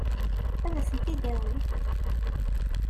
Ad sen-t-id-awint?